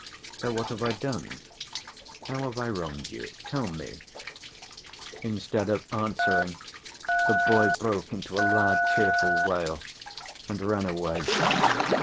So what have I done? How have I wronged you, tell me?" Instead of answering, the boy broke into a loud tearful wail and ran away.